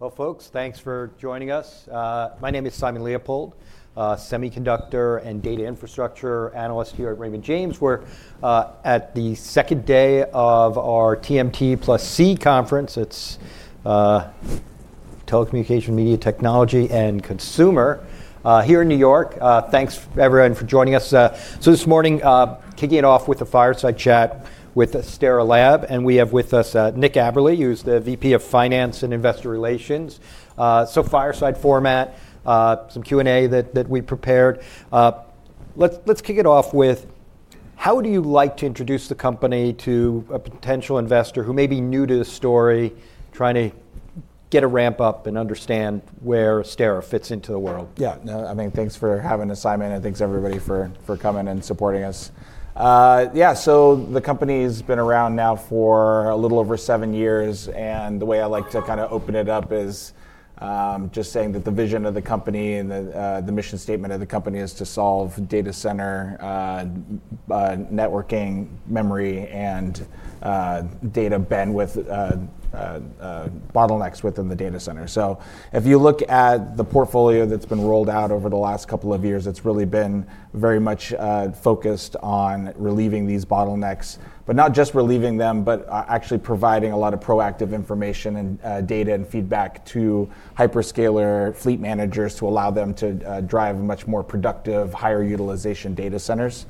Well, folks, thanks for joining us. My name is Simon Leopold, a semiconductor and data infrastructure analyst here at Raymond James. We're at the second day of our TMT+C conference. It's Telecommunication, Media, Technology, and Consumer here in New York. Thanks, everyone, for joining us. So this morning, kicking it off with a fireside chat with Astera Labs. And we have with us Nick Aberle, who's the VP of Finance and Investor Relations. So fireside format, some Q&A that we prepared. Let's kick it off with, how do you like to introduce the company to a potential investor who may be new to the story, trying to get a ramp up and understand where Astera fits into the world? Yeah. I mean, thanks for having us, Simon, and thanks, everybody, for coming and supporting us. Yeah, so the company has been around now for a little over seven years, and the way I like to kind of open it up is just saying that the vision of the company and the mission statement of the company is to solve data center networking, memory, and data bandwidth bottlenecks within the data center, so if you look at the portfolio that's been rolled out over the last couple of years, it's really been very much focused on relieving these bottlenecks, but not just relieving them, but actually providing a lot of proactive information and data and feedback to hyperscaler fleet managers to allow them to drive much more productive, higher utilization data centers,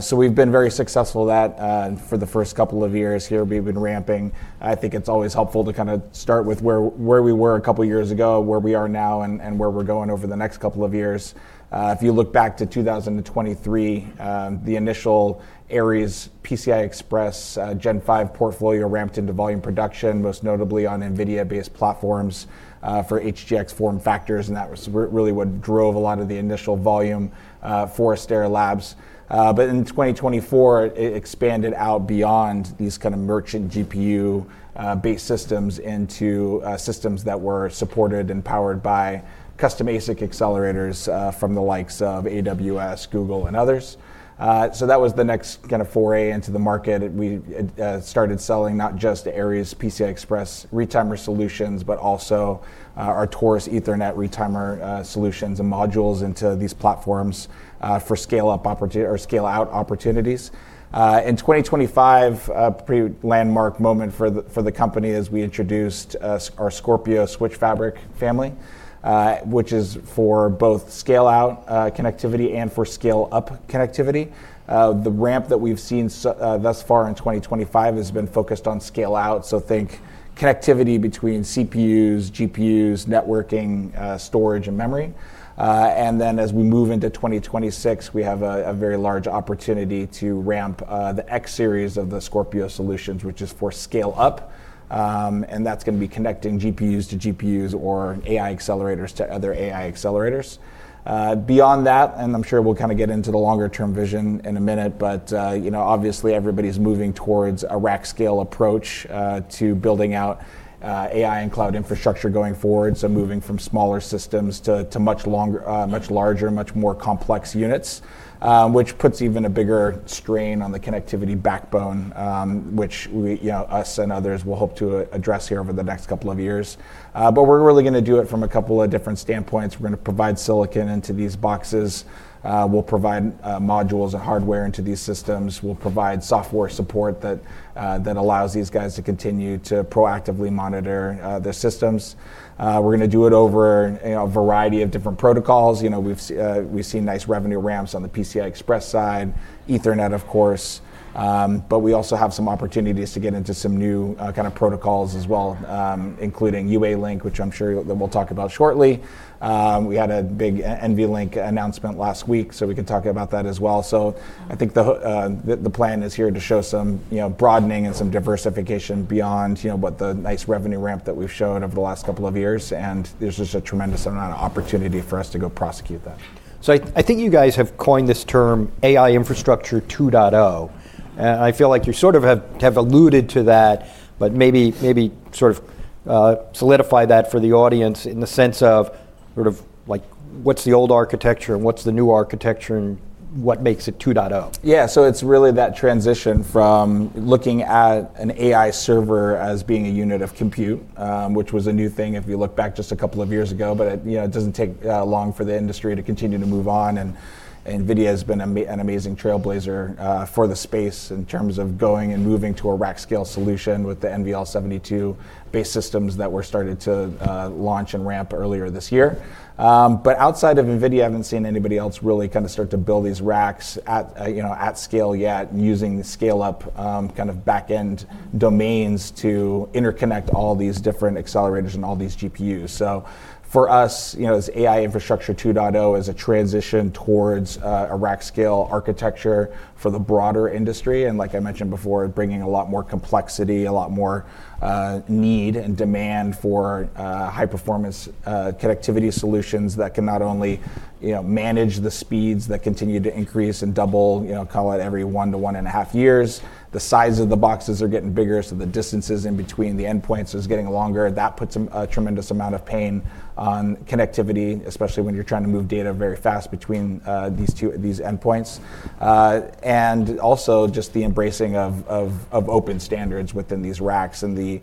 so we've been very successful at that for the first couple of years here. We've been ramping. I think it's always helpful to kind of start with where we were a couple of years ago, where we are now, and where we're going over the next couple of years. If you look back to 2023, the initial ARES PCI Express Gen 5 portfolio ramped into volume production, most notably on NVIDIA-based platforms for HGX form factors, and that was really what drove a lot of the initial volume for Astera Labs, but in 2024, it expanded out beyond these kind of merchant GPU-based systems into systems that were supported and powered by custom ASIC accelerators from the likes of AWS, Google, and others, so that was the next kind of foray into the market. We started selling not just ARES PCI Express retimer solutions, but also our Taurus Ethernet retimer solutions and modules into these platforms for scale-out opportunities. In 2025, a pretty landmark moment for the company as we introduced our Scorpio Smart Fabric Switch family, which is for both scale-out connectivity and for scale-up connectivity. The ramp that we've seen thus far in 2025 has been focused on scale-out, so think connectivity between CPUs, GPUs, networking, storage, and memory. And then as we move into 2026, we have a very large opportunity to ramp the X series of the Scorpio solutions, which is for scale-up, and that's going to be connecting GPUs to GPUs or AI accelerators to other AI accelerators. Beyond that, and I'm sure we'll kind of get into the longer-term vision in a minute, but obviously, everybody's moving towards a rack-scale approach to building out AI and cloud infrastructure going forward. So moving from smaller systems to much larger, much more complex units, which puts even a bigger strain on the connectivity backbone, which we and others will hope to address here over the next couple of years. But we're really going to do it from a couple of different standpoints. We're going to provide silicon into these boxes. We'll provide modules and hardware into these systems. We'll provide software support that allows these guys to continue to proactively monitor their systems. We're going to do it over a variety of different protocols. We've seen nice revenue ramps on the PCI Express side, Ethernet, of course. But we also have some opportunities to get into some new kind of protocols as well, including UALink, which I'm sure we'll talk about shortly. We had a big NVLink announcement last week, so we can talk about that as well. So I think the plan is here to show some broadening and some diversification beyond what the nice revenue ramp that we've showed over the last couple of years. And there's just a tremendous amount of opportunity for us to go prosecute that. So, I think you guys have coined this term AI Infrastructure 2.0. And I feel like you sort of have alluded to that, but maybe sort of solidify that for the audience in the sense of sort of what's the old architecture and what's the new architecture and what makes it 2.0? Yeah, so it's really that transition from looking at an AI server as being a unit of compute, which was a new thing if you look back just a couple of years ago. But it doesn't take long for the industry to continue to move on. And NVIDIA has been an amazing trailblazer for the space in terms of going and moving to a rack scale solution with the NVL72-based systems that were started to launch and ramp earlier this year. But outside of NVIDIA, I haven't seen anybody else really kind of start to build these racks at scale yet using scale-up kind of back-end domains to interconnect all these different accelerators and all these GPUs. So for us, this AI Infrastructure 2.0 is a transition towards a rack scale architecture for the broader industry. And like I mentioned before, bringing a lot more complexity, a lot more need and demand for high-performance connectivity solutions that can not only manage the speeds that continue to increase and double, call it every one to one and a half years. The size of the boxes are getting bigger, so the distances in between the endpoints are getting longer. That puts a tremendous amount of pain on connectivity, especially when you're trying to move data very fast between these endpoints. And also just the embracing of open standards within these racks and the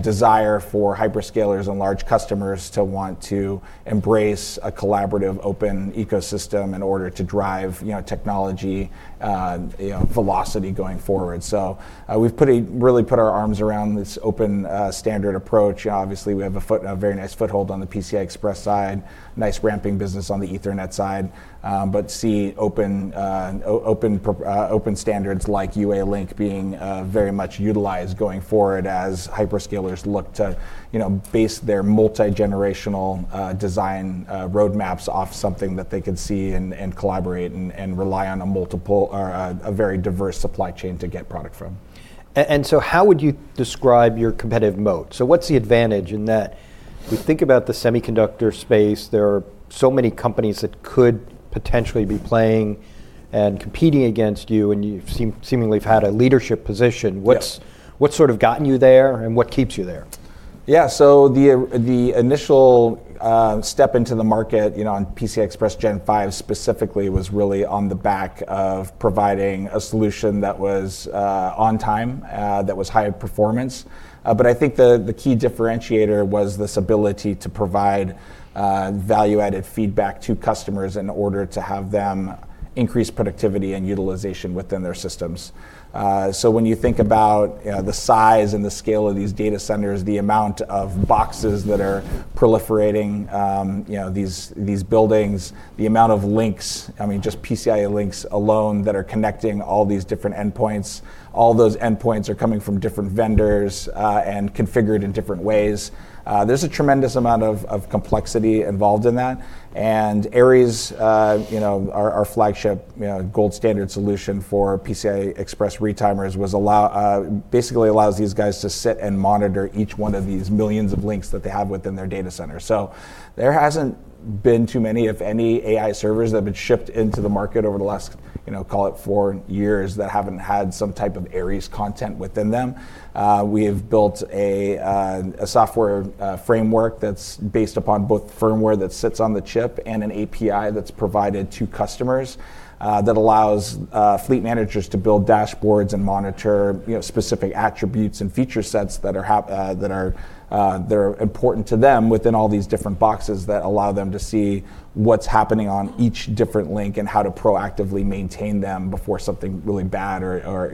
desire for hyperscalers and large customers to want to embrace a collaborative open ecosystem in order to drive technology velocity going forward. So we've really put our arms around this open standard approach. Obviously, we have a very nice foothold on the PCI Express side, nice ramping business on the Ethernet side. But see open standards like UALink being very much utilized going forward as hyperscalers look to base their multi-generational design roadmaps off something that they can see and collaborate and rely on a very diverse supply chain to get product from. And so how would you describe your competitive moat? So what's the advantage in that? If we think about the semiconductor space, there are so many companies that could potentially be playing and competing against you. And you seemingly have had a leadership position. What's sort of gotten you there and what keeps you there? Yeah, so the initial step into the market on PCI Express Gen 5 specifically was really on the back of providing a solution that was on time, that was high performance. But I think the key differentiator was this ability to provide value-added feedback to customers in order to have them increase productivity and utilization within their systems. So when you think about the size and the scale of these data centers, the amount of boxes that are proliferating, these buildings, the amount of links, I mean, just PCI links alone that are connecting all these different endpoints. All those endpoints are coming from different vendors and configured in different ways. There's a tremendous amount of complexity involved in that. ARES, our flagship gold standard solution for PCI Express retimers, basically allows these guys to sit and monitor each one of these millions of links that they have within their data center. There hasn't been too many, if any, AI servers that have been shipped into the market over the last, call it, four years that haven't had some type of ARES content within them. We have built a software framework that's based upon both firmware that sits on the chip and an API that's provided to customers that allows fleet managers to build dashboards and monitor specific attributes and feature sets that are important to them within all these different boxes that allow them to see what's happening on each different link and how to proactively maintain them before something really bad or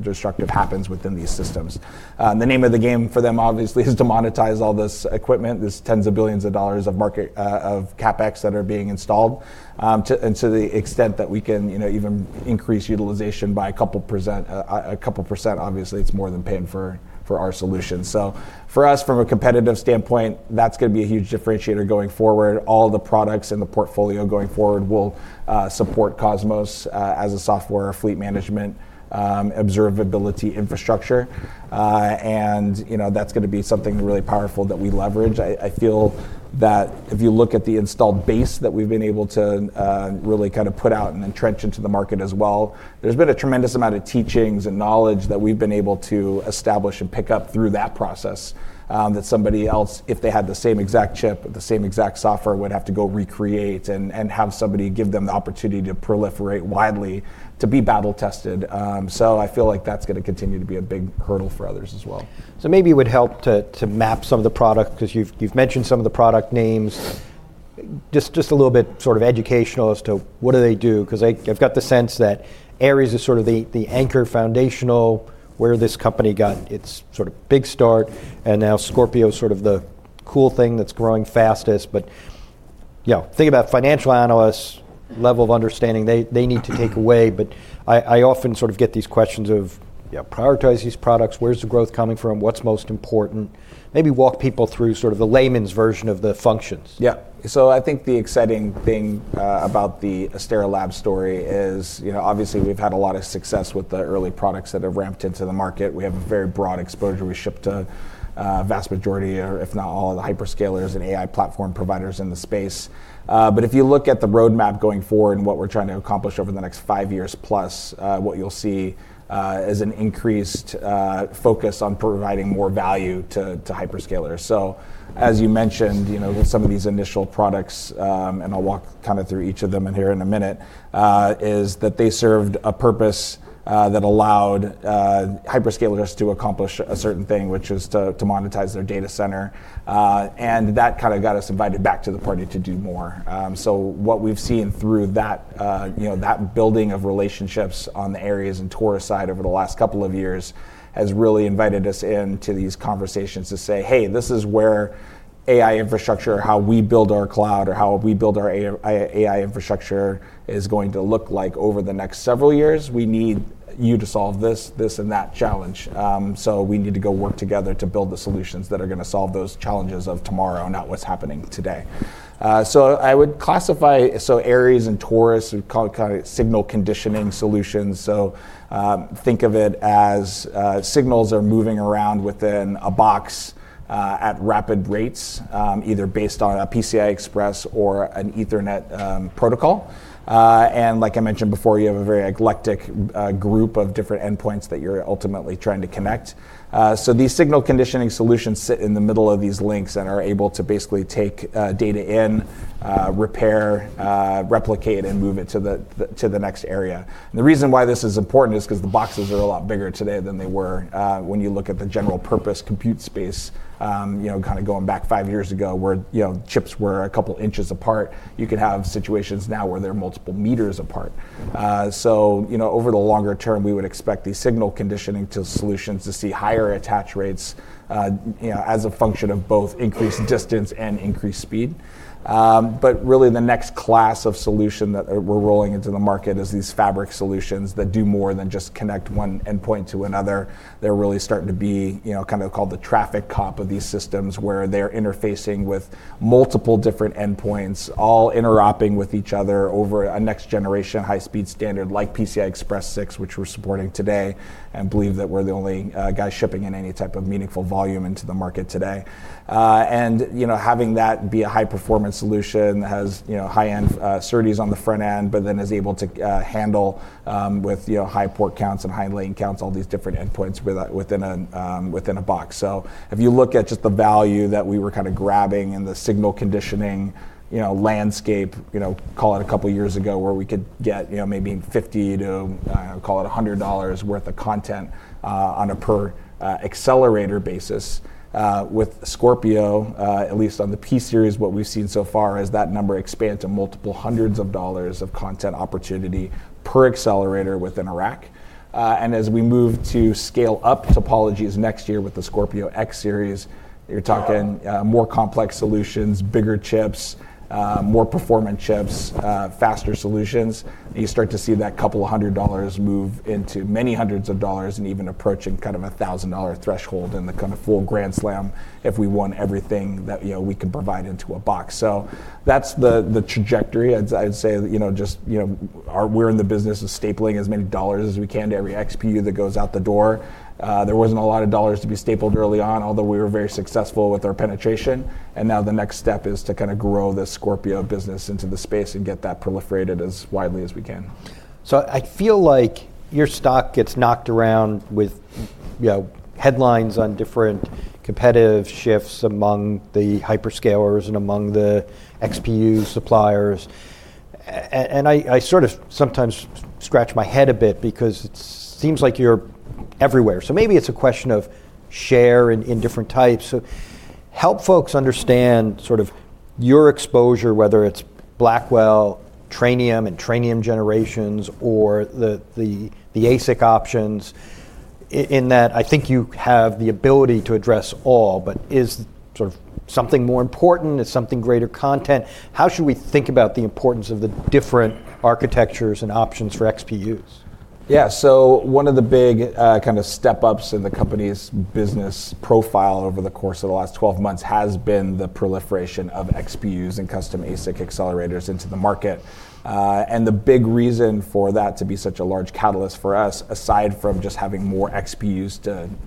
destructive happens within these systems. The name of the game for them, obviously, is to monetize all this equipment. There's tens of billions of dollars of CapEx that are being installed. And to the extent that we can even increase utilization by a couple%, obviously, it's more than paying for our solution. So for us, from a competitive standpoint, that's going to be a huge differentiator going forward. All the products in the portfolio going forward will support Cosmos as a software fleet management observability infrastructure. And that's going to be something really powerful that we leverage. I feel that if you look at the installed base that we've been able to really kind of put out and entrench into the market as well, there's been a tremendous amount of teachings and knowledge that we've been able to establish and pick up through that process that somebody else, if they had the same exact chip, the same exact software, would have to go recreate and have somebody give them the opportunity to proliferate widely to be battle-tested. So I feel like that's going to continue to be a big hurdle for others as well. So maybe it would help to map some of the product because you've mentioned some of the product names. Just a little bit sort of educational as to what do they do? Because I've got the sense that ARES is sort of the anchor foundational where this company got its sort of big start. And now Scorpio is sort of the cool thing that's growing fastest. But think about financial analysts, level of understanding they need to take away. But I often sort of get these questions of, prioritize these products, where's the growth coming from, what's most important? Maybe walk people through sort of the layman's version of the functions. Yeah, so I think the exciting thing about the Astera Labs story is obviously we've had a lot of success with the early products that have ramped into the market. We have a very broad exposure. We ship to a vast majority, if not all, of the hyperscalers and AI platform providers in the space, but if you look at the roadmap going forward and what we're trying to accomplish over the next five years plus, what you'll see is an increased focus on providing more value to hyperscalers, so as you mentioned, some of these initial products, and I'll walk kind of through each of them in here in a minute, is that they served a purpose that allowed hyperscalers to accomplish a certain thing, which is to monetize their data center, and that kind of got us invited back to the party to do more. What we've seen through that building of relationships on the ARES and Taurus side over the last couple of years has really invited us into these conversations to say, hey, this is where AI infrastructure, how we build our cloud, or how we build our AI infrastructure is going to look like over the next several years. We need you to solve this, this, and that challenge. We need to go work together to build the solutions that are going to solve those challenges of tomorrow, not what's happening today. I would classify ARES and Taurus as kind of signal conditioning solutions. Think of it as signals are moving around within a box at rapid rates, either based on a PCI Express or an Ethernet protocol. Like I mentioned before, you have a very eclectic group of different endpoints that you're ultimately trying to connect. These signal conditioning solutions sit in the middle of these links and are able to basically take data in, repair, replicate, and move it to the next area. The reason why this is important is because the boxes are a lot bigger today than they were when you look at the general purpose compute space, kind of going back five years ago where chips were a couple inches apart. You could have situations now where they're multiple meters apart. Over the longer term, we would expect these signal conditioning solutions to see higher attach rates as a function of both increased distance and increased speed. Really, the next class of solution that we're rolling into the market is these fabric solutions that do more than just connect one endpoint to another. They're really starting to be kind of called the traffic cop of these systems where they're interfacing with multiple different endpoints, all interacting with each other over a next generation high-speed standard like PCI Express 6, which we're supporting today. And I believe that we're the only guy shipping in any type of meaningful volume into the market today. And having that be a high-performance solution has high-end SerDes on the front end, but then is able to handle with high port counts and high lane counts, all these different endpoints within a box. So if you look at just the value that we were kind of grabbing in the signal conditioning landscape, call it a couple of years ago where we could get maybe $50-$100 worth of content on a per accelerator basis. With Scorpio, at least on the P Series, what we've seen so far is that number expands to multiple hundreds of dollars of content opportunity per accelerator within a rack, and as we move to scale-up topologies next year with the Scorpio X Series, you're talking more complex solutions, bigger chips, more performant chips, faster solutions. You start to see that couple of hundred dollars move into many hundreds of dollars and even approaching kind of a $1,000 threshold in the kind of full grand slam if we want everything that we can provide into a box, so that's the trajectory. I'd say just we're in the business of stapling as many dollars as we can to every XPU that goes out the door. There wasn't a lot of dollars to be stapled early on, although we were very successful with our penetration. Now the next step is to kind of grow this Scorpio business into the space and get that proliferated as widely as we can. So I feel like your stock gets knocked around with headlines on different competitive shifts among the hyperscalers and among the XPU suppliers. And I sort of sometimes scratch my head a bit because it seems like you're everywhere. So maybe it's a question of share in different types. So help folks understand sort of your exposure, whether it's Blackwell, Tranium, and Tranium Generations, or the ASIC options, in that I think you have the ability to address all. But is sort of something more important? Is something greater content? How should we think about the importance of the different architectures and options for XPUs? Yeah, so one of the big kind of step-ups in the company's business profile over the course of the last 12 months has been the proliferation of XPUs and custom ASIC accelerators into the market. And the big reason for that to be such a large catalyst for us, aside from just having more XPUs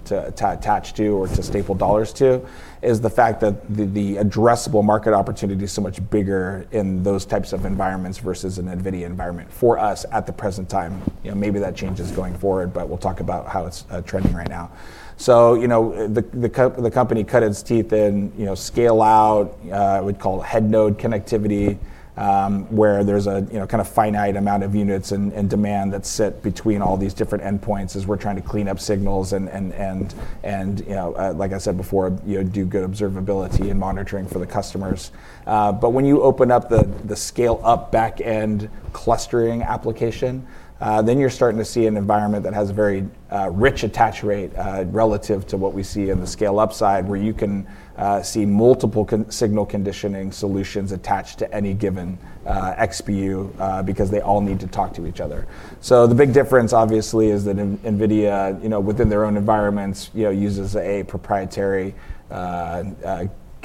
to attach to or to staple dollars to, is the fact that the addressable market opportunity is so much bigger in those types of environments versus an NVIDIA environment for us at the present time. Maybe that change is going forward, but we'll talk about how it's trending right now. So the company cut its teeth in scale-out, we'd call it head-node connectivity, where there's a kind of finite amount of units and demand that sit between all these different endpoints as we're trying to clean up signals and, like I said before, do good observability and monitoring for the customers. But when you open up the scale-up back-end clustering application, then you're starting to see an environment that has a very rich attach rate relative to what we see on the scale-up side, where you can see multiple signal conditioning solutions attached to any given XPU because they all need to talk to each other. So the big difference, obviously, is that NVIDIA, within their own environments, uses a proprietary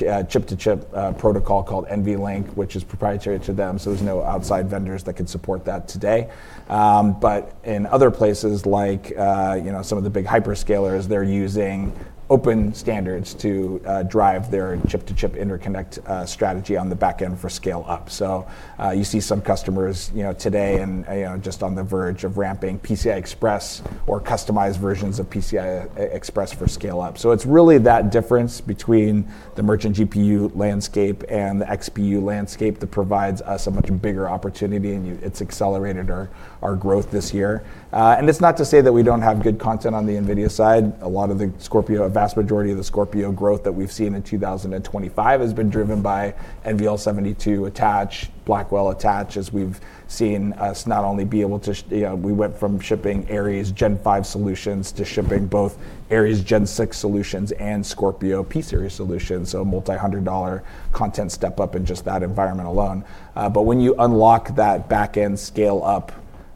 chip-to-chip protocol called NVLink, which is proprietary to them. So there's no outside vendors that can support that today. But in other places, like some of the big hyperscalers, they're using open standards to drive their chip-to-chip interconnect strategy on the back end for scale-up. So you see some customers today and just on the verge of ramping PCI Express or customized versions of PCI Express for scale-up. So it's really that difference between the merchant GPU landscape and the XPU landscape that provides us a much bigger opportunity. And it's accelerated our growth this year. And it's not to say that we don't have good content on the NVIDIA side. A lot of the Scorpio, a vast majority of the Scorpio growth that we've seen in 2025 has been driven by NVL72 attach, Blackwell attach, as we've seen us not only be able to, we went from shipping ARES Gen 5 solutions to shipping both ARES Gen 6 solutions and Scorpio P Series solutions, so multi-hundred-dollar content step-up in just that environment alone, but when you unlock that back-end scale-up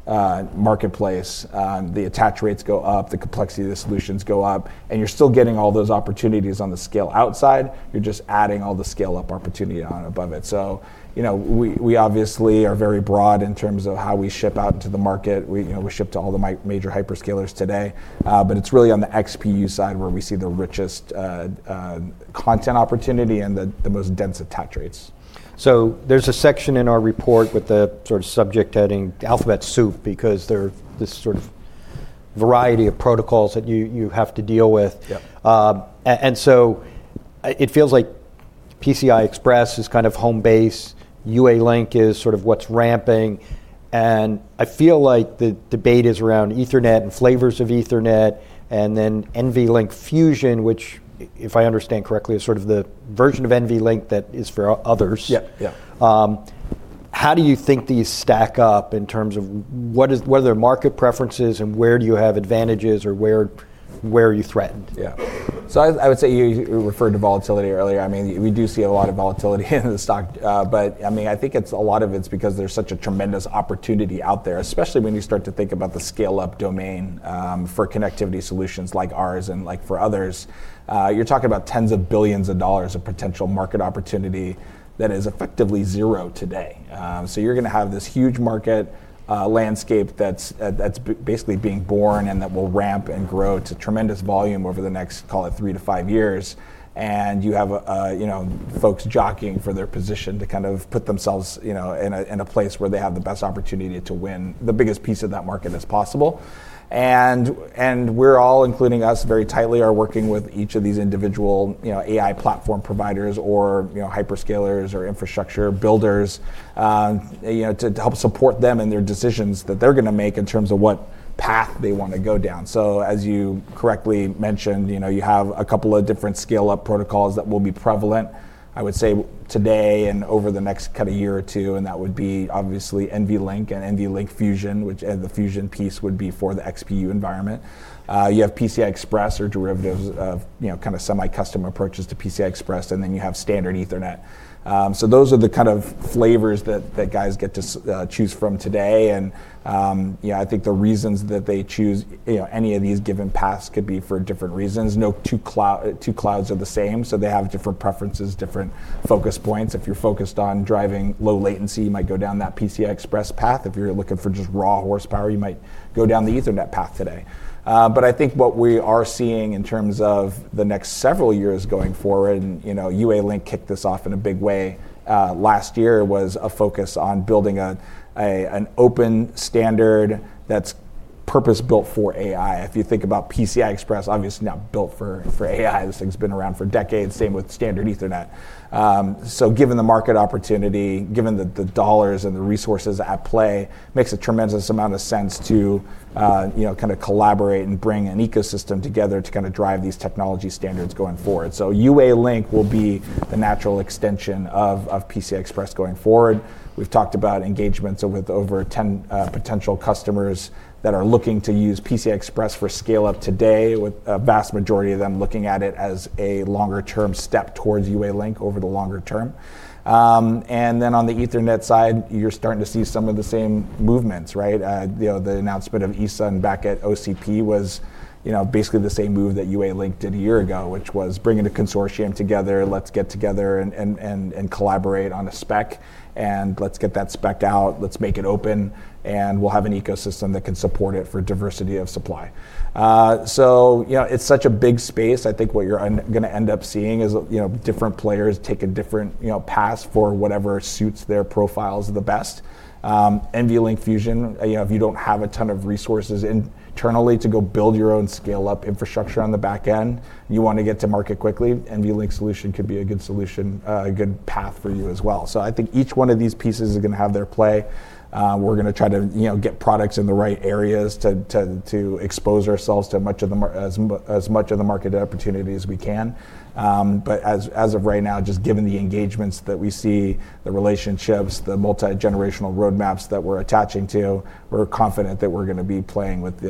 marketplace, the attach rates go up, the complexity of the solutions go up, and you're still getting all those opportunities on the scale-out side. You're just adding all the scale-up opportunity on above it, so we obviously are very broad in terms of how we ship out into the market. We ship to all the major hyperscalers today. But it's really on the XPU side where we see the richest content opportunity and the most dense attach rates. So there's a section in our report with the sort of subject heading Alphabet Soup because there's this sort of variety of protocols that you have to deal with. And so it feels like PCI Express is kind of home base. UALink is sort of what's ramping. And I feel like the debate is around Ethernet and flavors of Ethernet and then NVLink Fusion, which, if I understand correctly, is sort of the version of NVLink that is for others. How do you think these stack up in terms of what are their market preferences and where do you have advantages or where are you threatened? Yeah. So I would say you referred to volatility earlier. I mean, we do see a lot of volatility in the stock. But I mean, I think a lot of it's because there's such a tremendous opportunity out there, especially when you start to think about the scale-up domain for connectivity solutions like ours and like for others. You're talking about tens of billions of dollars of potential market opportunity that is effectively zero today. So you're going to have this huge market landscape that's basically being born and that will ramp and grow to tremendous volume over the next, call it, three-to-five years. And you have folks jockeying for their position to kind of put themselves in a place where they have the best opportunity to win the biggest piece of that market as possible. And we're all, including us very tightly, are working with each of these individual AI platform providers or hyperscalers or infrastructure builders to help support them in their decisions that they're going to make in terms of what path they want to go down. So as you correctly mentioned, you have a couple of different scale-up protocols that will be prevalent, I would say, today and over the next kind of year or two. And that would be obviously NVLink and NVLink Fusion, which the Fusion piece would be for the XPU environment. You have PCI Express or derivatives of kind of semi-custom approaches to PCI Express. And then you have standard Ethernet. So those are the kind of flavors that guys get to choose from today. And I think the reasons that they choose any of these given paths could be for different reasons. No two clouds are the same. So they have different preferences, different focus points. If you're focused on driving low latency, you might go down that PCI Express path. If you're looking for just raw horsepower, you might go down the Ethernet path today. But I think what we are seeing in terms of the next several years going forward, and UALink kicked this off in a big way last year, was a focus on building an open standard that's purpose-built for AI. If you think about PCI Express, obviously not built for AI. This thing's been around for decades, same with standard Ethernet. So given the market opportunity, given the dollars and the resources at play, it makes a tremendous amount of sense to kind of collaborate and bring an ecosystem together to kind of drive these technology standards going forward. UALink will be the natural extension of PCI Express going forward. We've talked about engagements with over 10 potential customers that are looking to use PCI Express for scale-up today, with a vast majority of them looking at it as a longer-term step towards UALink over the longer term. On the Ethernet side, you're starting to see some of the same movements, right? The announcement of ESUN back at OCP was basically the same move that UALink did a year ago, which was bringing a consortium together. Let's get together and collaborate on a spec. Let's get that spec out. Let's make it open. We'll have an ecosystem that can support it for diversity of supply. It's such a big space. I think what you're going to end up seeing is different players take a different path for whatever suits their profiles the best. NVLink Fusion. If you don't have a ton of resources internally to go build your own scale-up infrastructure on the back end, you want to get to market quickly. NVLink solution could be a good solution, a good path for you as well. So I think each one of these pieces is going to have their play. We're going to try to get products in the right areas to expose ourselves to as much of the market opportunity as we can. But as of right now, just given the engagements that we see, the relationships, the multi-generational roadmaps that we're attaching to, we're confident that we're going to be playing with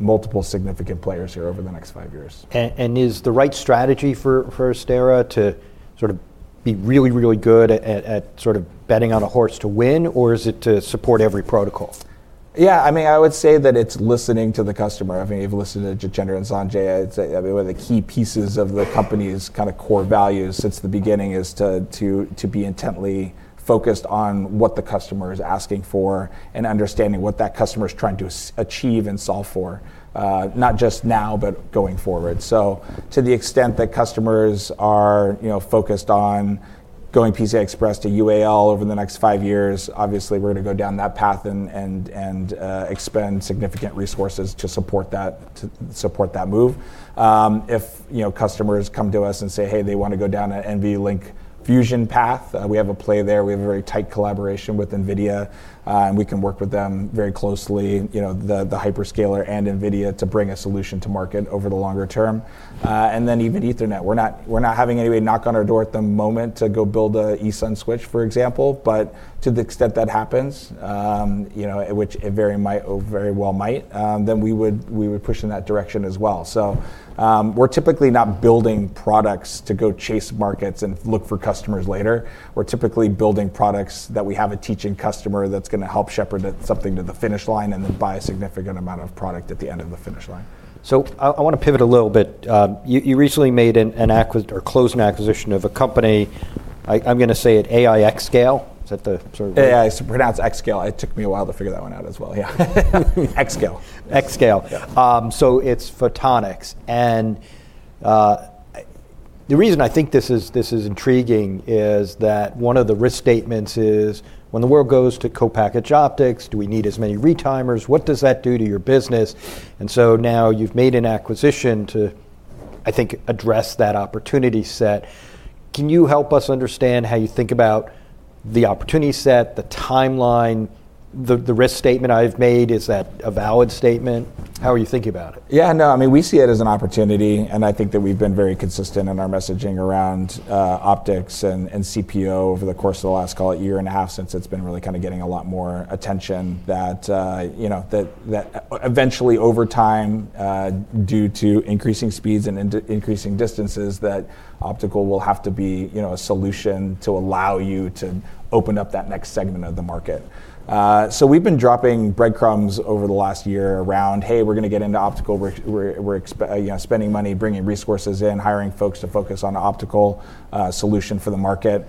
multiple significant players here over the next five years. Is the right strategy for Astera to sort of be really, really good at sort of betting on a horse to win, or is it to support every protocol? Yeah, I mean, I would say that it's listening to the customer. I mean, you've listened to Jitendra and Sanjay. One of the key pieces of the company's kind of core values since the beginning is to be intently focused on what the customer is asking for and understanding what that customer is trying to achieve and solve for, not just now, but going forward. So to the extent that customers are focused on going PCI Express to UAL over the next five years, obviously we're going to go down that path and expend significant resources to support that move. If customers come to us and say, "Hey, they want to go down an NVLink Fusion path," we have a play there. We have a very tight collaboration with NVIDIA. And we can work with them very closely, the hyperscaler and NVIDIA, to bring a solution to market over the longer term. And then even Ethernet, we're not having anybody knock on our door at the moment to go build an ESUN switch, for example. But to the extent that happens, which it very well might, then we would push in that direction as well. So we're typically not building products to go chase markets and look for customers later. We're typically building products that we have a teaching customer that's going to help shepherd something to the finish line and then buy a significant amount of product at the end of the finish line. So I want to pivot a little bit. You recently made an acquisition or closed an acquisition of a company. I'm going to say it, Xscale. Is that the sort of? Xscale. It took me a while to figure that one out as well. Yeah. Xscale. Aixscale. So it's photonics. And the reason I think this is intriguing is that one of the risk statements is, when the world goes to co-packaged optics, do we need as many retimers? What does that do to your business? And so now you've made an acquisition to, I think, address that opportunity set. Can you help us understand how you think about the opportunity set, the timeline? The risk statement I've made, is that a valid statement? How are you thinking about it? Yeah, no, I mean, we see it as an opportunity, and I think that we've been very consistent in our messaging around optics and CPO over the course of the last, call it, year and a half since it's been really kind of getting a lot more attention that eventually, over time, due to increasing speeds and increasing distances, that optical will have to be a solution to allow you to open up that next segment of the market, so we've been dropping breadcrumbs over the last year around, "Hey, we're going to get into optical. We're spending money, bringing resources in, hiring folks to focus on optical solution for the market,"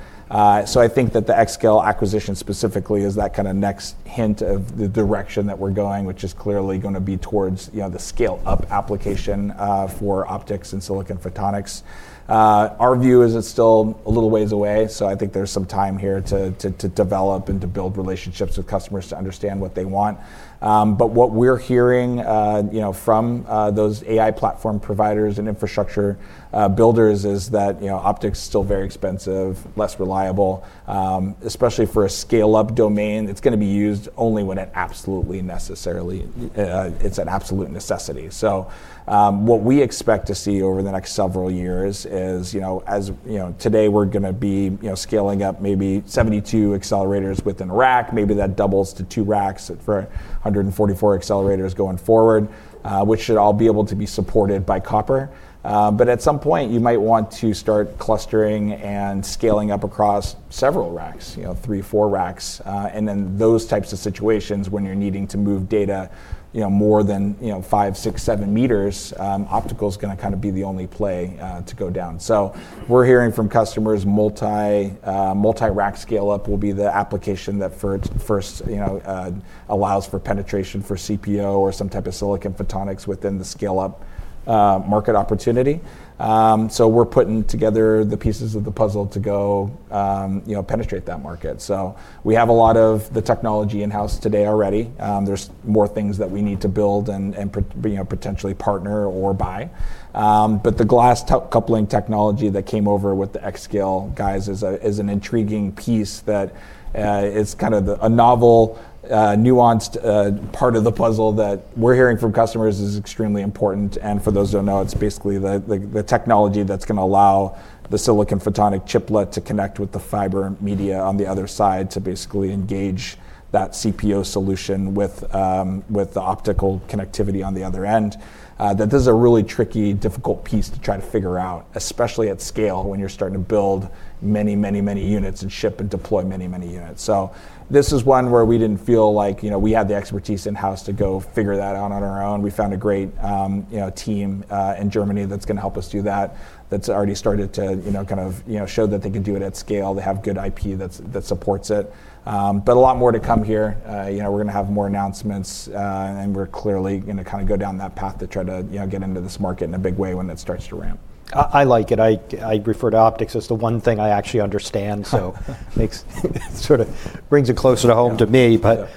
so I think that the Xscale acquisition specifically is that kind of next hint of the direction that we're going, which is clearly going to be towards the scale-up application for optics and silicon photonics. Our view is it's still a little ways away. So I think there's some time here to develop and to build relationships with customers to understand what they want. But what we're hearing from those AI platform providers and infrastructure builders is that optics is still very expensive, less reliable, especially for a scale-up domain. It's going to be used only when it's absolutely necessary, it's an absolute necessity. So what we expect to see over the next several years is, as today, we're going to be scaling up maybe 72 accelerators within a rack. Maybe that doubles to two racks for 144 accelerators going forward, which should all be able to be supported by copper. But at some point, you might want to start clustering and scaling up across several racks, three, four racks. And then those types of situations when you're needing to move data more than five, six, seven meters, optical is going to kind of be the only play to go down. So we're hearing from customers multi-rack scale-up will be the application that first allows for penetration for CPO or some type of silicon photonics within the scale-up market opportunity. So we're putting together the pieces of the puzzle to go penetrate that market. So we have a lot of the technology in-house today already. There's more things that we need to build and potentially partner or buy. But the glass coupling technology that came over with the Xscale guys is an intriguing piece that is kind of a novel nuanced part of the puzzle that we're hearing from customers is extremely important. For those who don't know, it's basically the technology that's going to allow the silicon photonic chiplet to connect with the fiber media on the other side to basically engage that CPO solution with the optical connectivity on the other end. That this is a really tricky, difficult piece to try to figure out, especially at scale when you're starting to build many, many, many units and ship and deploy many, many units. So this is one where we didn't feel like we had the expertise in-house to go figure that out on our own. We found a great team in Germany that's going to help us do that, that's already started to kind of show that they can do it at scale. They have good IP that supports it. But a lot more to come here. We're going to have more announcements. We're clearly going to kind of go down that path to try to get into this market in a big way when it starts to ramp. I like it. I refer to optics as the one thing I actually understand. So it sort of brings it closer to home to me. But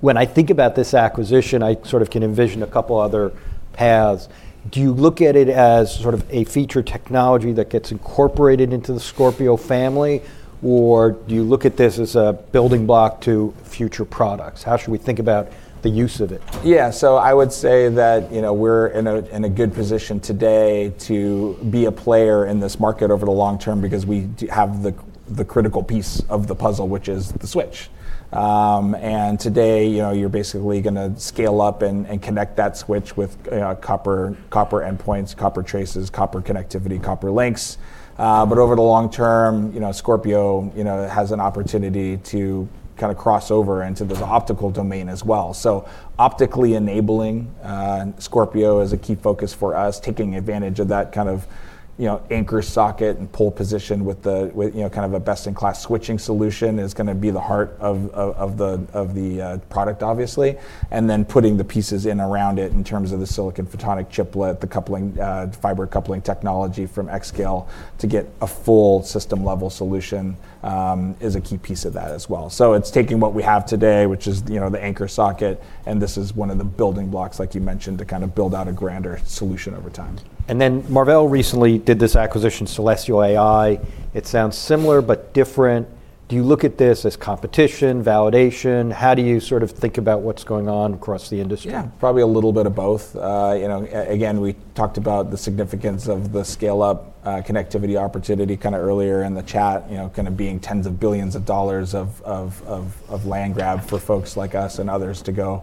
when I think about this acquisition, I sort of can envision a couple of other paths. Do you look at it as sort of a feature technology that gets incorporated into the Scorpio family? Or do you look at this as a building block to future products? How should we think about the use of it? Yeah, so I would say that we're in a good position today to be a player in this market over the long term because we have the critical piece of the puzzle, which is the switch. And today, you're basically going to scale up and connect that switch with copper endpoints, copper traces, copper connectivity, copper links. But over the long term, Scorpio has an opportunity to kind of cross over into the optical domain as well. So optically enabling Scorpio is a key focus for us. Taking advantage of that kind of anchor socket and pull position with kind of a best-in-class switching solution is going to be the heart of the product, obviously. And then putting the pieces in around it in terms of the silicon photonic chiplet, the fiber coupling technology from Xscale to get a full system-level solution is a key piece of that as well. It's taking what we have today, which is the anchor socket. This is one of the building blocks, like you mentioned, to kind of build out a grander solution over time. Then Marvell recently did this acquisition, Celestial AI. It sounds similar but different. Do you look at this as competition, validation? How do you sort of think about what's going on across the industry? Yeah, probably a little bit of both. Again, we talked about the significance of the scale-up connectivity opportunity kind of earlier in the chat, kind of being tens of billions of dollars of land grab for folks like us and others to go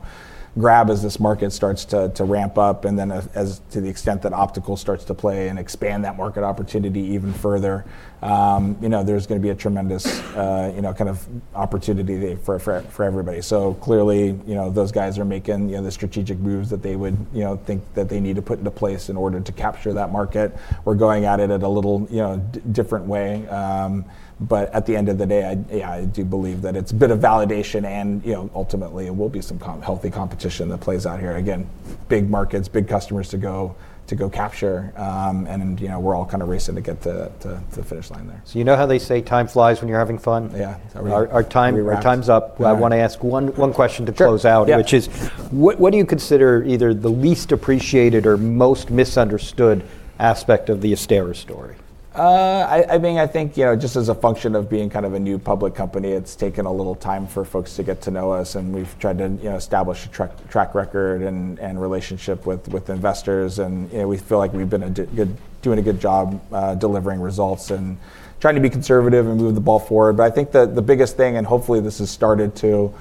grab as this market starts to ramp up. And then to the extent that optical starts to play and expand that market opportunity even further, there's going to be a tremendous kind of opportunity for everybody. So clearly, those guys are making the strategic moves that they would think that they need to put into place in order to capture that market. We're going at it in a little different way. But at the end of the day, I do believe that it's a bit of validation. And ultimately, it will be some healthy competition that plays out here. Again, big markets, big customers to go capture. We're all kind of racing to get to the finish line there. So you know how they say time flies when you're having fun? Yeah. Our time's up. I want to ask one question to close out, which is, what do you consider either the least appreciated or most misunderstood aspect of the Astera story? I mean, I think just as a function of being kind of a new public company, it's taken a little time for folks to get to know us. And we've tried to establish a track record and relationship with investors. And we feel like we've been doing a good job delivering results and trying to be conservative and move the ball forward. But I think that the biggest thing, and hopefully this has started to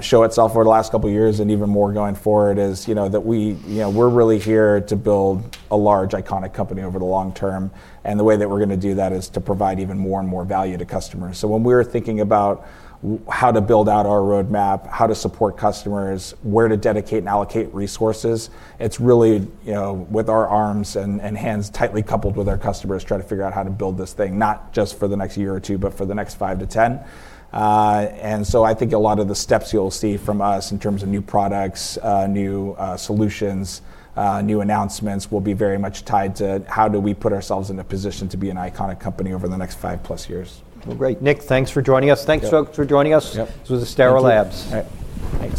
show itself over the last couple of years and even more going forward, is that we're really here to build a large iconic company over the long term. And the way that we're going to do that is to provide even more and more value to customers. When we were thinking about how to build out our roadmap, how to support customers, where to dedicate and allocate resources, it's really with our arms and hands tightly coupled with our customers trying to figure out how to build this thing, not just for the next year or two, but for the next five to ten. I think a lot of the steps you'll see from us in terms of new products, new solutions, new announcements will be very much tied to how do we put ourselves in a position to be an iconic company over the next five plus years. Great. Nick, thanks for joining us. Thanks, folks, for joining us. This was Astera Labs. All right. Thanks.